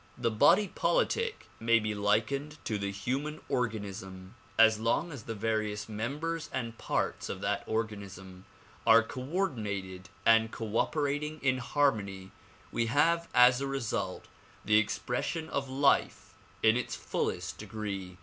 The body politic may be likened to the human organism. As long as the various members and parts of that organism are coordinated and cooperating in harmony we have as a result the expression of life in its fullest degree.